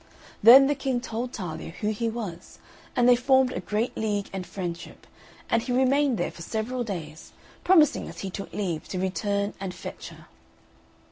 Then the King told Talia who he was, and they formed a great league and friendship, and he remained there for several days, promising, as he took leave, to return and fetch her.